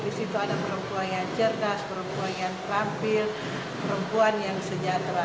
di situ ada perempuan yang cerdas perempuan yang terampil perempuan yang sejahtera